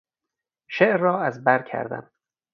شعر را از بر کردم.